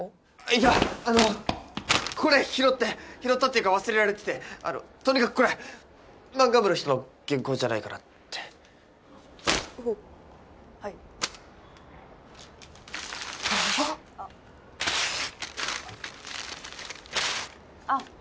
いやあのこれ拾って拾ったっていうか忘れられててとにかくこれ漫画部の人の原稿じゃないかなっておっはいあああっあっ